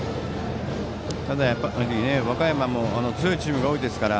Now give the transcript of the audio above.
ただ、和歌山も強いチームが多いですから。